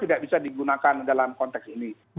tidak bisa digunakan dalam konteks ini